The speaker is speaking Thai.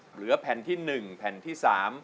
เหลือแผ่นที่๑แผ่นที่๓